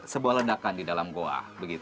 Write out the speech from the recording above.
sebuah ledakan di dalam goa